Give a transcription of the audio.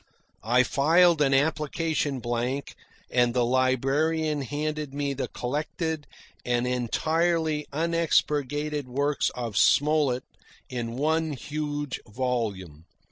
I filled an application blank and the librarian handed me the collected and entirely unexpurgated works of Smollett in one huge volume.